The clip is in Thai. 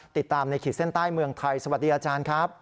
ติดตามในขีดเส้นใต้เมืองไทยสวัสดีอาจารย์ครับ